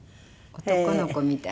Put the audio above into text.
男の子みたい。